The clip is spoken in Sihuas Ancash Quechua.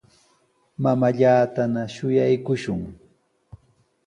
Mamaallatana shuyaakushun.